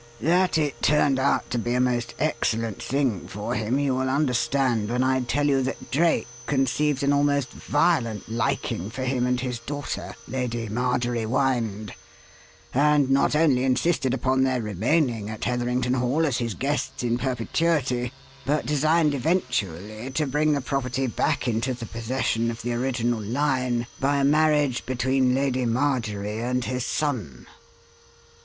That it turned out to be a most excellent thing for him you will understand when I tell you that Drake conceived an almost violent liking for him and his daughter, Lady Marjorie Wynde, and not only insisted upon their remaining at Heatherington Hall as his guests in perpetuity, but designed eventually to bring the property back into the possession of the original 'line' by a marriage between Lady Marjorie and his son."